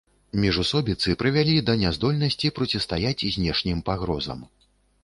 Міжусобіцы прывялі да няздольнасці процістаяць знешнім пагрозам.